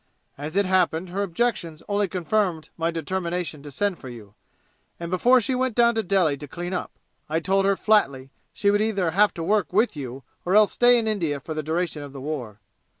As it happened her objections only confirmed my determination to send for you, and before she went down to Delhi to clean up I told her flatly she would either have to work with you or else stay in India for the duration of the war."